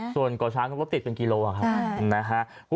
ส่วนเกาะช้างก็ติดเป็นกิโลกรัมค่ะ